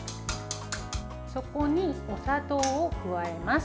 そこに、お砂糖を加えます。